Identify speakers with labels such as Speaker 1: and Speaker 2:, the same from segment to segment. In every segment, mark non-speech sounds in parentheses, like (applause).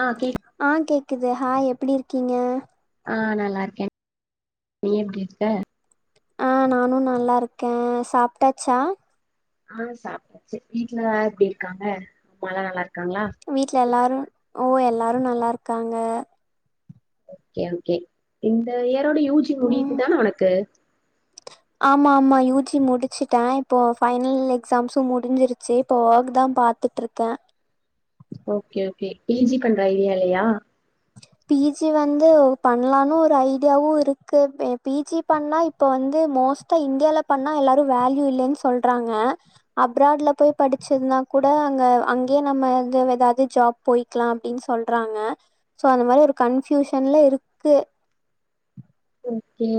Speaker 1: ஆ கேக்
Speaker 2: ஆஹ் கேக்கு குது ஹாய் எப்படி இருக்கீங்க
Speaker 1: ஆஹ் நல்லா இருக்கேன் நீ எப்படி இருக்க
Speaker 2: ஆஹ் நானும் நல்லா இருக்கேன் சாப்பிட்டாச்சா
Speaker 1: ஆஹ் சாப்பிடாச்சு வீட்டுல எல்லாம் எப்படி இருக்காங்க அம்மாலாம் நல்லா இரு
Speaker 2: வீட்ல எல்லாரும் ஓ எல்லாரும் நல்லா இருக்காங்க
Speaker 1: ஓகே ஓகே இந்த எ இத்தொட யு ஜி
Speaker 2: ம்
Speaker 1: முடியுது தானே உனுக்கு
Speaker 2: ஆமா ஆமா யூஜி முடிச்சுட்டேன் இப்போ பைனல் எக்ஸாம்ஸும் முடிஞ்சிருச்சு இப்ப ஒர்க் தான் பாத்துட்டு இருக்கேன்
Speaker 1: ஓகே ஓகே பி ஜி பண்ற ஐடியா இல்லையா
Speaker 2: பி ஜி வந்து பண்ணலான்னு ஒரு ஐடியாவும் இருக்கு பி ஜி பண்ணா இப்ப வந்து மோஸ்டா இந்தியால பண்ணா எல்லாரும் வேல்யூ இல்லலைன்னு சொல்றாங்க அப்ராட்ல போய் படிச்சதுனா கூட அங்க அங்கயே நம்ம ஏதாவது ஜாப் போயிக்கலாம் அப்படின்னு சொல்றாங்க சோ அந்த மாதிரி ஒரு கன்ஃயூஷன்ல இருக்கு
Speaker 1: ஓகே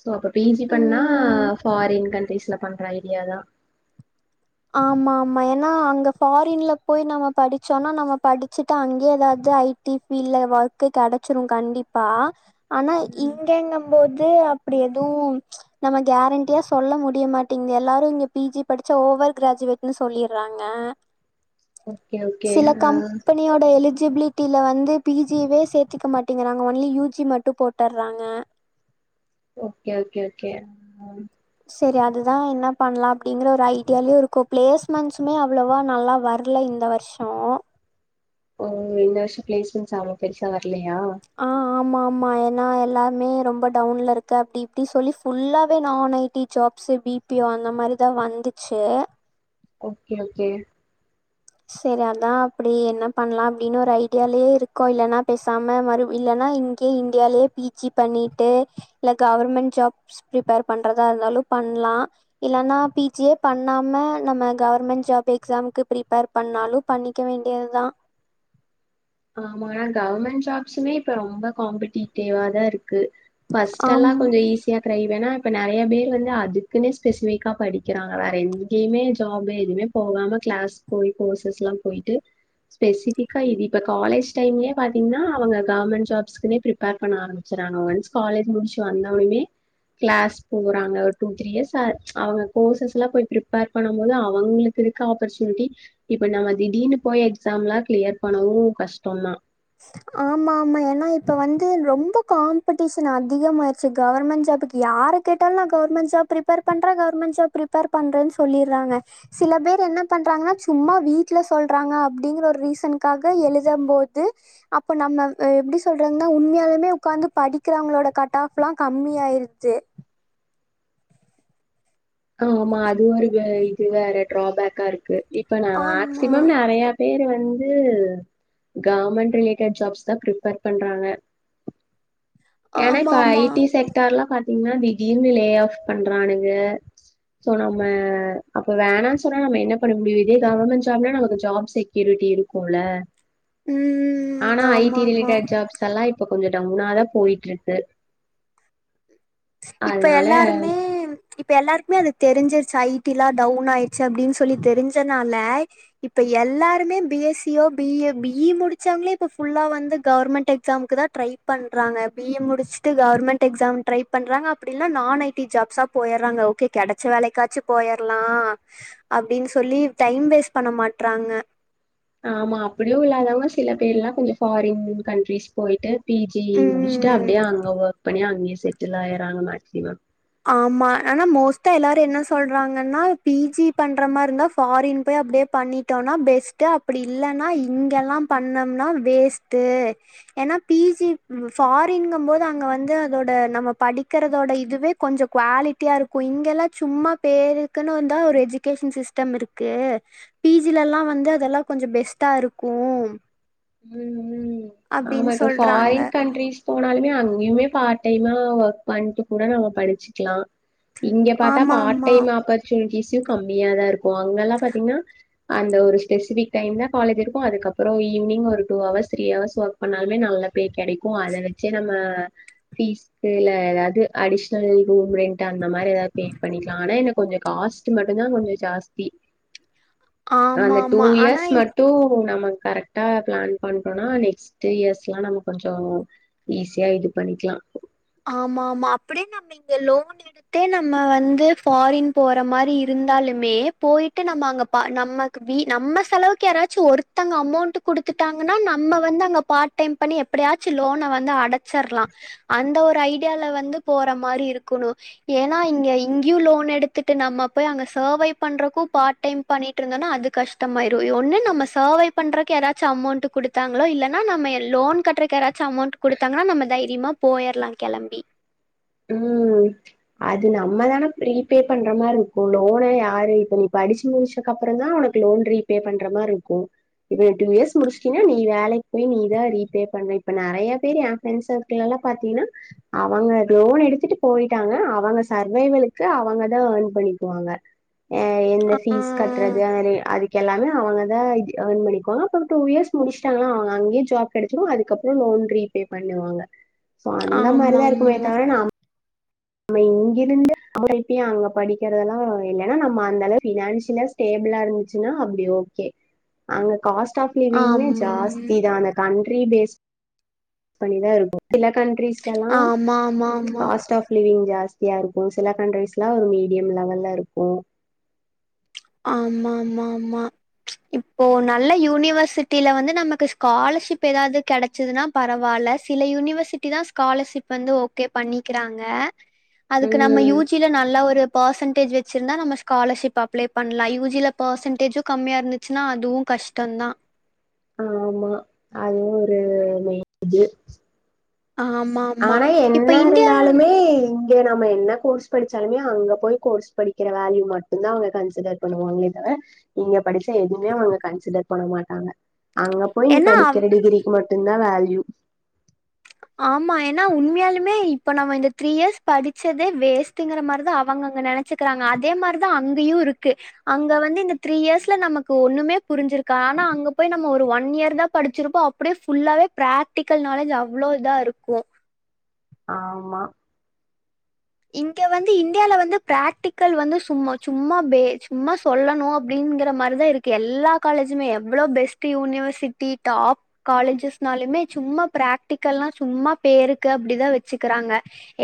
Speaker 1: சோ அப்ப பி ஜி பண்ணா
Speaker 2: ம்
Speaker 1: ஃபாரின் கண்ட்ரிஸ்ல பண்ற ஐடியாதான்
Speaker 2: ஆமா ஆமா ஏன்னா அங்க ஃபாரின்ல போய் நம்ம படிச்சோம்னா நம்ம படிச்சுட்டு அங்கே ஏதாவது ஐடி பீல்ட்ல ஒர்க்க கெடைச்சிரும் கண்டிப்பா ஆனா
Speaker 1: ம்
Speaker 2: இங்கெங்க போது அப்டி எதுவு நம்ம கேரண்டியா சொல்ல முடியமாட்டீங்கிது எல்லாரு இங்க பி ஜி படிச்சா ஓவர் ஃக்ராஜுவேட்ன்னு சொல்லியறாங்க
Speaker 1: ஓகே ஓகே
Speaker 2: சில
Speaker 1: ஆ
Speaker 2: கம்பனியோட எழுதி எலிச்சிபிலிட்டில வந்து பீ ஜியேவே சேத்துக்க மாட்டேங்கறாங்க ஒன்லி யூ ஜி மட்டும் போட்டறாங்க
Speaker 1: ஓகே ஓகே ஓகே ம்
Speaker 2: சரி அதுதா என்ன பண்ணலா அப்புடிங்கற ஒரு ஐடியாலயே இருக்கோ பிளேஸ்மெண்ட்ஸுமே அவ்ளோவா நல்லா வரல இந்த வர்ஷோ
Speaker 1: ஓ இந்த வருஷம் ப்ளேஸ்மென்ட்ஸ் அவ்ளோ பெருசா வர
Speaker 2: அ ஆமா ஆமா என் நா எல்லாமே ரொம்ப டவுன்ல இருக்கு அப்டி இப்டி சொல்லி ஃபுல்லாவே நான் IT jobs B P O அந்த மாரிதா வந்துச்சு
Speaker 1: ஓகே ஓகே
Speaker 2: செரி அதா அப்படி என்ன பண்ணலா அப்படின்னு ஒரு ஐடியாலயே இருக்கோ இல்லைன்னா பேசாம மறு இல்லன்னா இங்கேயே இந்தியாலேயே பி ஜி பண்ணிட்டு இல்ல கவர்மெண்ட் ஜாப்ஸ் ப்ரிப்பேர் பண்றதா இருந்தாலு பண்லா இல்லன்னா பி ஜியே பண்ணாம நம்ம கவர்மெண்ட் ஜாப் எக்ஸாமுக்கு ப்ரிப்பேர் பண்ணாலு பண்ணிக்க வேண்டியதுதா
Speaker 1: ஆமா ஆனா ஃகவர்மெண்ட் ஜாப்ஸுமே இப்ப ரொம்ப காம்படிேட்டிவாதா இருக் (unintelligible) பஸ்ட் எல்லா
Speaker 2: ஆம்
Speaker 1: கொஞ்சோ ஈஸியா (unintelligible) வேனா இப்ப நெறையா பேர் வந்து அதுக்குன்னே ஸ்பெசிஃபிக்கா படிக்கிறாங்க வேற எங்கேயுமே ஜாப் எதுவுமே போகாம ஃக்ளாஸ் போய் கோர்ஸஸ் எல்லா போயிட்டு ஸ்பெசிஃபிக்கா (unintelligible) இப்ப காலேஜ் டைம்லயே பாத்தீங்கன்னா அவங்க ஃகவர்மெண்ட் ஜாப்ஸ்க்குனே ப்ரிப்பேர் பண்ண ஆரம்பிச்சறாங்க ஒன்ஸ் காலேஜ் முடிச்சு வந்தவொனமே ஃகிளாஸ் போறாங்க ஒரு டூ த்ரீ இயர்ஸ் அவங்க கோர்ஸஸ்லா போய் ப்ரிப்பேர் பண்ணும் போது அவங்களுக்கு இருக்க ஆப்பர்ச்சுனிட்டி இப்போ நம்ம திடீர்னு போய் எக்ஸாம் எல்லாம் ஃக்ளியர் பண்ணவும் கஷ்டோ தா
Speaker 2: ஆமா ஆமா ஏனா இப்ப வந்து ரொம்ப காம்படிஷன் அதிகமாயிடுச்சு ஃகவர்மெண்ட் ஜாபக்கு யாரு கேட்டாலு நா ஃகவர்மெண்ட் ஜாப் ப்ரிப்பேர் பண்றே ஃகவர்மெண்ட் ஜாப் ப்ரிப்பேர் பண்றேன்னு சொல்லிர்றாங்க சில பேர் என்ன பண்றாங்கன்னா சும்மா வீட்ல சொல்றாங்க அப்டிங்கற ஒரு ரீசனுக்காக எழுதம்போது து அப்ப நம்ம எப்டி சொல்றாங்கன்னா உண்மையாலுமே உக்காந்து படிக்கிறவங்களோட கட் ஆப் எல்லா கம்மியாயிச்சி
Speaker 1: ஆமா அது ஒரு இது வே இது வேற டிராபேக்காருக் ங்கு இப்ப நா
Speaker 2: ஆமா.
Speaker 1: மேக்சிமம் நறையா பேரு வந்து ஃகவர்மெண்ட் ரிலேட்டட் ஜாப்ஸ்தா ஃப்ரிப்பேர் பண்றாங்க ஏன்னா இப்ப ஐ
Speaker 2: ஆமாமா.
Speaker 1: ட்டி செக்டர்லா பாத் இன்னா திடீர்னு லே ஆஃப் பண்றானுங்க சோ நம்ம அப்ப வேணாம்னு சொன்னா நம்ம என்ன பண்ண முடியும் இதே ஃகவர்மெண்ட் ஜாப்ல நமக்கு ஜாப் செக்யூரிட்டி இருக்குல்ல
Speaker 2: ம்.
Speaker 1: ஆனா ஐ டி
Speaker 2: ஆமாமா.
Speaker 1: ரிலேட்டர் ஜாப்ஸ்ல்லா இப் இப்ப கொஞ்ச டவுனாதா போய்ட்ருக்கு
Speaker 2: இப்ப எல்லாருமே இப்ப எல்லாருக்குமே அது தெரிஞ்சிருச்சு ஐ டிலா டவுன் ஆயிடுச்சு அப்டின்னு சொல்லி தெரிஞ்சனால இப்ப எல்லாருமே B S C O B A B E முடிச்சவங்களே இப்ப ஃபுல்லா வந்து கவர்மெண்ட் எக்ஸாமுக்குதா ட்ரை பண்றாங்க பி ஏ முடிச்சுட்டு ஃகவர்மெண்ட் எக்ஸாம் ட்ரை பன்றாங்க அப்டி இல்லனா நான் ஐ டீ ஜாப்க்கு போய்றாங்க ஓகே கெடச்ச வேலக்காச்சு போயரலா அப்டீனு சொல்லி டைம் வேஸ்ட் பண்ண மாட்றாங்க
Speaker 1: ஆமா அப்புடியு இல்லாதவங்க சில பேர் எல்லாம் கொஞ்சோ ஃபாரின் கண்ட்ரிஸ் போயிட்டு பி ஜி முடிச்சுட்டு
Speaker 2: ம்
Speaker 1: அப்டியே அங்க ஒர்க் பண்ணி அங்கயே செட் செட்டில் ஆய்றாங்க மேக்சிமம்
Speaker 2: ஆமா ஆனா மோஸ்ட்டா எல்லாரு என்ன சொல்றாங்கன்னா பி ஜி பண்ற மாரி இருந்தா ஃபாரின் போய் அப்டியே பண்ணிட்டோன்னா பெஸ்ட் அப்டி இல்லனா இங்கெல்லா பண்ணோம்னா வேஸ்டு ஏன்னா பீ ஜி ஃபாரின்க போது அங்க வந்து அதோட நம்ம படிக்கறதோட இதுவே கொஞ்சோ குவாலிட்டியா இருக்கும் இங்க எல்லாம் சும்மா பேருக்குன்னு வந்தா ஒரு எஜுகேஷன் சிஸ்டம் இருக்கு பீ ஜிலலா வந்து அதெல்லா கொஞ்சோ பெஸ்ட்டா இருக்கு
Speaker 1: ஆமா
Speaker 2: அப்டின்னு
Speaker 1: இப்ப
Speaker 2: சொல்றாங்க
Speaker 1: ஃபாரின் கண்ட்ரீஸ் போனாலுமே அங்கேயுமே பார்ட் டைமா ஒர்க் பண்ணிட்டு கூட நம்ம படிச்சிக்கலா இங்க பாத்தா
Speaker 2: ஆமா
Speaker 1: பார்ட்
Speaker 2: ஆமா
Speaker 1: டைம் ஆப்பர்ச்சுனிட்டிஸ் (unintelligible) கம்மியாதா இருக்கு அங்கல்லாம் பாத்தீங்கன்னா அந்த ஒரு ஸ்பெசபிக் டைம்தா காலேஜ் இருக்கு அதுக்கப்பறோ ஈவினிங் ஒரு ஒரு two hours three hours work பண்ணாலுமே நல்ல பே கெடைக்கு அத வச்சே நம்ம பீஸ்க இல்ல எதாவது அடிஷனல் ரூம் ரெண்ட் அந்த மாரி எதாவது பே பண்ணிக்கலா ஆனா என கொஞ்சோ காஸ்ட் மட்டும்தா கொஞ்சோ ஜாஸ்தி
Speaker 2: ஆமா
Speaker 1: அந்த டூ
Speaker 2: ஆமா
Speaker 1: இயர்ஸ்
Speaker 2: ஆனா
Speaker 1: மட்டும். நம்ம கரெக்டா பிளான் பண்றோம்னா நெக்ஸ்ட் இயர்ஸ் எல்லாம் நம்ம கொஞ்சம் ஈஸியா இது பண்ணிக்கலாம்
Speaker 2: ஆமா ஆமா அப்படியே நம்ம இங்க லோன் எடுத்தே நம்ம வந்து ஃபாரின் போற மாதிரி இருந்தாலுமே போயிட்டு நம்ம அங்க பா நம்மக்கு நம்ம செலவுக்கு யாராச்சும் ஒருத்தங்க அமௌண்ட் குடுத்துட்டாங்கன்னா நம்ம வந்து அங்க பார்ட் டைம் பண்ணி எப்படியாச்சும் லோன வந்து அடச் சர்லாம் அந்த ஒரு ஐடியால வந்து போற மாதிரி இருக்கணும் ஏன்னா இங்க இங்கேயும் லோன் எடுத்துட்டு நம்ம போய் அங்க சர்வைவ் பண்றக்கும் பார்ட் டைம் பண்ணிட்டு இருந்தோம்னா அது கஷ்டமாயிரும் ஒன்னும் நம்ம சர்வைவ் பண்றதுக்கு எதாச்சும் அமௌண்ட் கொடுத்தாங்களோ இல்லைன்னா நம்ம லோன் கட்டுறக்குாச்சும் அமௌண்ட் கொடுத்தாங்கன்னா நம்ம தைரியமா போயிறலாம் கெளம்பி
Speaker 1: உம் அது நம்மதானே ரீபே பண்ற மாதிரி இருக்கும் லோனை யாரு இப்ப நீ படிச்சு முடிச்சக்க அப்புறம் தான் உனக்கு லோன் ரீபே பண்ற மாதிரி இருக்கும் இப்ப நீ டூ இயர்ஸ் முடிச்சுட்டீன்னா நீ வேலைக்கு போய் நீதான் ரீபே பண்ண இப்ப நெறைய பேர் என் ஃப்ரெண்ட் சர்கிள் எல்லாம் பாத்தீன்னா அவங்க லோன் எடுத்துட்டு போயிட்டாங்க அவங்க சர்வைவலுளுக்கு அவங்கதா ஏர்ன் பண்ணிக்குவாங்க ஆஹ் எந்த ஃபீஸ் கட்டுறது அ அதுக்க எல்லாமே அவங்கதா இது ஏர்ன் பண்ணிகோங்க அப்பறம் டூ இயர்ஸ் முடிச்சட்டாங்கா அவங்க அங்கேயே ஜ ப் கிடைச்சிரும் அதுக்கப்புறம் லோன் ரீபே பண்ணுவாங்க ச அந்த மாரிதா இருக்கு
Speaker 2: ஆமாமா
Speaker 1: கரனா நம்ம இங்கிருந்து (unintelligible) அங்க படிக்கறதெல்லா ஏன்னா நம்ம அந்த அளவு பினான்சியலா ஸ்டேபிளா இருஞ்ச்சுன்னா அப்படி ஓகே அங்க கா் காஸ்ட் ஆப் லிவிங்மே
Speaker 2: ஆம்
Speaker 1: ஜாஸ்தி தா அந்த கண்ட ட்ரீ பேஸ் பண்ணிதா இருக்கு சில கண்ட்ரிஸ்
Speaker 2: ஆமா ஆமா ஆமா
Speaker 1: வெயில் ஜாஸ்தியா இருக்கு சில கண்ட்ரிஸ்லா ஒரு மீடியம் லெவல்ல இருக்கு
Speaker 2: ஆமா ஆமா ஆமா இப்போ நல்ல யூனிவர்சிட்டில வந்து நமக்கு ஸ்காலர்ஷிப் ஏதாவது கெடைச்சதுன்னா பரவால்ல சில யூனிவர்சிட்டி தா ஸ்காலர்ஷிப் வந்து ஓகே பண்ணிக்கிறாங்க அதுக்கு நம்ம யூ
Speaker 1: ம்
Speaker 2: ஜி ல நல்லா ஒரு பர்சன்டேஜ் வச்சிருந்தா நம்ம ஸ்காலர்ஷிப் அப்ளை அ லைவஜில பெர்சன்டேஜும் கம்மியா இருந்துச்சுன்னா அதுவும் கஷ்டம்தா
Speaker 1: ஆமா அதுவு ஒரு மே இது
Speaker 2: ஆமா ஆமா
Speaker 1: ஆனா
Speaker 2: இப்ப
Speaker 1: என்ன
Speaker 2: இந்தியா
Speaker 1: இருந்தாலுமே இங்க நம்ம என்ன கோர்ஸ் படிச்சாலுமே அங்க போய் கோர்ஸ் படிக்கிற வேல்யூ மட்டுந்தா அவங்க கன்சிடர் பண்ணுவாங்களே தவற இங்க படிச்சா எதுவுமே அவங்க கன்சிடர் பண்ண மாட்டாங்க அங்க போய நீ
Speaker 2: ஏன்னா
Speaker 1: படிக்கிற டிகிரிக்கு மட் என்னா வேல்யூ
Speaker 2: ஆமா ஏன்னா உண்மையாலுமே இப்ப நம்ம இந்த த்ரீ இயர்ஸ் படிச்சதே வேஸ்டுங்கிறதிரிதா அவங்க அங்க நெனைச்சுக்கிறாங்க அதே மாதிரிதா அங்கேயு இருக்கு அங்க வந்து இந்த த்ரீ இயர்ஸ்ல நமக்கு ஒண்ணுமே புரிஞ்சிருக்கா ஆனா அங்க போய் நம்ம ஒரு ஒன் இயர் தா படிச்சிருப்போ அப்படியே ஃபுல்லாவே பிராக்டிக்கல் நாலேஜ் ஆ அவ்வளவ்தா இருக்கு
Speaker 1: ஆமா
Speaker 2: இங்க வந்து இந்தியால வந்து பிராக்டிக்கல் வந்து சும்மா சும்மா பே சும்மா சொல்லணு அப்படிங்கற மாரிதா இருக்கு எல்லா காலேஜுமே எவ்ளோ பெஸ்ட் யூனிவர்சிட்டி டாப் காலேஜஸ்னாலுமே சும்மா பிராக்டிக்கல்லா சும்மா பேருக்கு அப்படிதா வச்சுக்கிறாங்க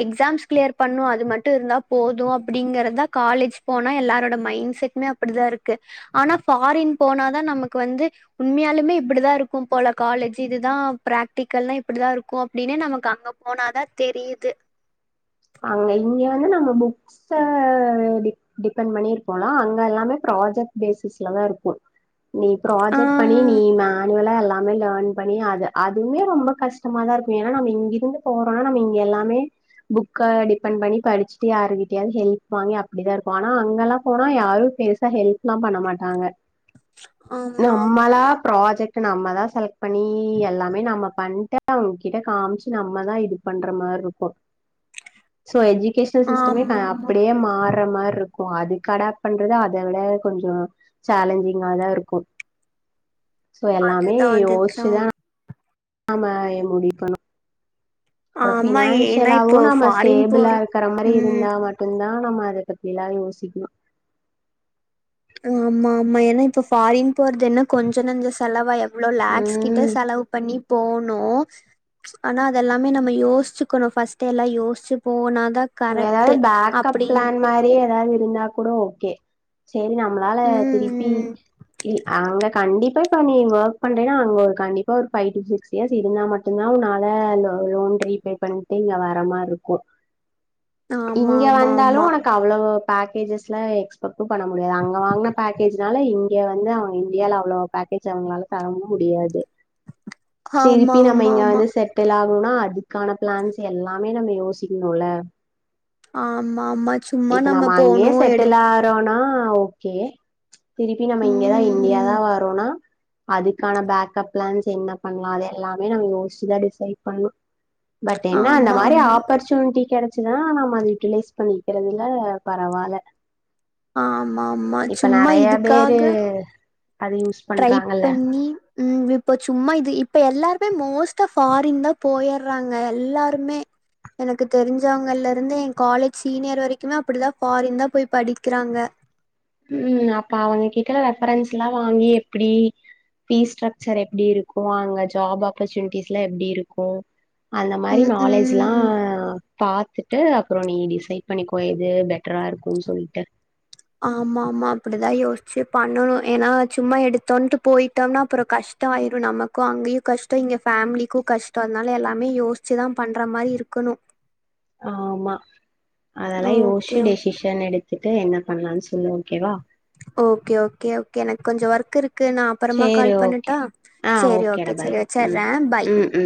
Speaker 2: எக்ஸாம்ஸ் கிளியர் பண்ண அது மட்டும் இருந்தா போதும் அப்படிங்கறதா காலேஜ் போனா எல்லாரோட மைண்ட் செட்மே அப்படிதா இருக்கு ஆனா ஃபாரின் போனாதா நமக்கு வந்து உண்மையாலுமே இப்படிதா இருக்கும் போல காலேஜ்ஜு இதுதா பிராக்டிக்கல்தா இப்படிதா இருக்கும் அப்படின்னே நமக்கு அங்க போனாதா தெரியுது
Speaker 1: அங்க இங்க வந்து நம்ம புக்ஸ் ஆஹ் டி டிபெண்ட் பண்ணிருப்போம்லா அங்கல்லாமே ப்ராஜெக்ட் பேசிஸ்லதா இருக்கு நீ ப்ராஜெக்ட் பண்ணி
Speaker 2: ஆ
Speaker 1: நீ நா அவலா எல்லாமே லேர்ன் பண்ணி அது அதுவுமே ரொம்ப கஷ்டமாதா இருக்கு ஏன்னா நம்ம இங்க இருந்து போறோம்னா நம்ம இங்க எல்லாமே புக்கை டிபெண்ட் பண்ணி படிச்சுட்டு யாருகிட்டயாவது ஹெல்ப் வாங்கி அப்படிதா இருக்கு ஆனா அங்கல்லா போனா யாரு பெருசா ஹெல்ப்லா பண்ண மாட்டாங்க
Speaker 2: ஆமாமா
Speaker 1: நம்மளா ப்ராஜெக்ட் நம்மதா செலக்ட் பண்ணி எல்லாமே நம்ம பண்ட்டு அவங்ககிட்ட காமிச்சு நம்மதா இது பண்ற மார் இருக்கு சோ எஜி கேஷனல் சிஸ்டமே ப
Speaker 2: ஆமாமா
Speaker 1: அப்டியே மாற மார் கும் அது கடா பண்றது அத விட கொஞ்ச சேலஞ்சிங்காதா இருக்கு சோ எல்லாமே
Speaker 2: அதுதா அதுதா
Speaker 1: யோசிச்சுதா ஆமா ஏ முடிப்பனு அப்பற
Speaker 2: ஆமா ஏன்னா
Speaker 1: பினான்சியலாவு
Speaker 2: இப்போ
Speaker 1: நம்ம
Speaker 2: ஃபாரின்
Speaker 1: ஸ்டேபிளா
Speaker 2: போற
Speaker 1: இருக்கற மாரி
Speaker 2: ம்
Speaker 1: இருந்தா மட்டுந்தா லா மாறத்துக்கு எல்லா யோசிக்கணு
Speaker 2: ஆமா ஆமா ஏனா இப்ப ஃபாரின் போறது என்ன கொஞ்ச நஞ்ச செலவா ய வ்ளோ லேக்ஸ் கிட்ட
Speaker 1: ம்
Speaker 2: செலவு பண்ணி போவ்னு ஆனா அதெல்லாமே நம்ம யோசிச்சுக்கணு ஃபஸ்ட்டே எல்லா யோசிச்சு போனா
Speaker 1: எதாவ்து பேக்கப் பிளான் மாரி ஏதாவது இருந்தா கூட ஓகே சேரி நம்மளால
Speaker 2: ம்
Speaker 1: திருப்பி
Speaker 2: ம்
Speaker 1: இ அங்க கண்டிப் (unintelligible) நீ இங்க ஒக் பண்றினா அங்க ஒரு கண்டிப்பா ஒரு பைவ் டு சிக்ஸ் இயர்ஸ் இருந்தா மட்டுந்தா உன்னால லோ லோன் ரீபே பண்ணிட்டு இங்க வர மார்ருக்கு
Speaker 2: ஆமா
Speaker 1: இங்க வந்தாலு
Speaker 2: ஆமா
Speaker 1: உனக்கு அவ்ளவு பேக்கேஜஸ்லா எக்ஸ்பக் டு பண்ண முடியாது அங்க வாங்குன பேக்கேஜ் அதனால இங்க வந்து அவங்க இண்டியால அவ்ளோ பேக்கேஜ்ஜ அவுங்கனால தரவும் முடியாது
Speaker 2: ஆமா
Speaker 1: திருப்பி நம்ம இங்க
Speaker 2: ஆமா
Speaker 1: வந்து செட்டில் ஆ ன்னா அதுக்கான பிளான்ஸ் எல்லாமே நம்ம யோசிக்ன் னுள்ள
Speaker 2: ஆமா ஆமா சும்மா நம்ம போணு எடு
Speaker 1: ஆ ஓகே திருப்பி நம்ம இங்கதா
Speaker 2: ம்
Speaker 1: இண்டியாதா வரோனா அதுக்கான பேக்கப் பிளான்ஸ் என்ன பண்லா அதெல்லாமே நம்ம யோசிச்சுதா டிசைட் பண்ணணு பட் என்னா அந்த
Speaker 2: ஆமா
Speaker 1: மாரி
Speaker 2: ஆமா
Speaker 1: ஆப்பர்ச் ட்டி கெடைச்சினா நம்ம அத யுட்டிலைஸ் பண்ணிக்கிறதுல பரவால
Speaker 2: ஆமா ஆமா சும்மா
Speaker 1: பேரு
Speaker 2: இதுக்காக
Speaker 1: அது யூஸ்
Speaker 2: ட்ரைப்
Speaker 1: பண்றாங்கல்ல
Speaker 2: பண்ணி ம் இப்ப சும்மா இது இப்ப எல்லாருமே மோ மோஸ்ட்டா ஃபாரின் தா போயர்றாங்க எல்லாருமே எனக்கு தெரிஞ்சவங்கல்ல இருந்து எங் காலேஜ் சீனியர் வரைக்குமே அப்டிதா ஃபாரின் தா போய் படிக்கிறாங்க
Speaker 1: ம் அப்ப அவங்ககிட்ட ரெஃபரன்ஸ்ல்லா வாங்கி எப்பிடி பீஸ்ட்ஸ்ரக்சர் எப்டி இருக்கு அங்க ஜாப் ஆப்பர்சுனிட்டிஸ்லா எப்டி இருக்கு அந்த மாரி
Speaker 2: ம்
Speaker 1: நாலேஜ்லா
Speaker 2: ம்
Speaker 1: பாத்துட்டு அப்றோ நீ டிசைட் பண்ணிக்கோ எது பெ ட்ரா இருக்குன் சொல்ட்டு
Speaker 2: ஆமா ஆமா அப்டிதா யோசிச்சு பண்ணணு ஏனா சும்மா எடுத்தோன்ட்டு போயிட்டம்னா அப்புறோ கஷ்டோ ஆயிரு நமக்கூ அங்கியு கஷ்டோ இங்க ஃபேமிலிக்கூ கஷ்டோ அதுனால எல்லாமே யோசிச்சுதா பண்ற மாரி இருக்கணு
Speaker 1: ஆமா அதெல்லா
Speaker 2: ஓகே
Speaker 1: யோஸ்சு டெசிஷன் எடு திட்டு என்ன பண்லான் சொல்லு ஓகேவா
Speaker 2: ஓகே ஓகே ஓகே எனக் கொஞ்சோ ஒர்க் இருக் க்கு நா அப்பறமா
Speaker 1: சேரி
Speaker 2: கால்
Speaker 1: ஓகே
Speaker 2: பண்ணட்டா
Speaker 1: ஆ
Speaker 2: செரி ஓகே
Speaker 1: ஓகேடா
Speaker 2: செரி
Speaker 1: பாய் ம்
Speaker 2: வெச்சர்றே பாய்
Speaker 1: ம் ம்